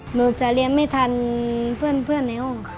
หนูจะเรียนไม่ทันเพื่อนในห้องค่ะ